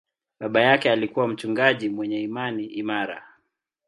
Baba yake alikuwa mchungaji mwenye imani imara.